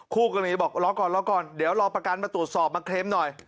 คู่กรณีบอกรอก่อนรอก่อนเดี๋ยวรอประกันมาตรวจสอบมาเคลมหน่อย